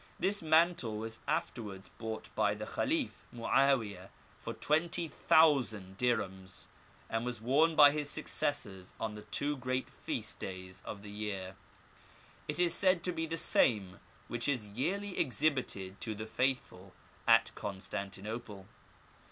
This mantle was afterwards bought by the Khalif Muiwiyeh for twenty thousand dirhems, and was worn by his successors on the two great feast days of the year. It is said to be the same which is yearly exhibited to the faithful at Constantinople.